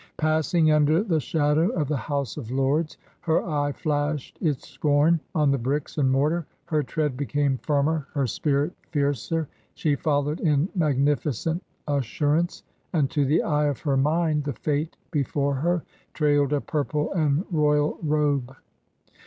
Passing 268 TRANSITION. under the shadow oi the House of Lords, her eye flashed its scorn on the briAs and mortar, her tread became firmer, her spirit fiercer, ^e followed in magnificent assurance, and to the eye of >ttr mind the fate before her trailed a purple and royal robe.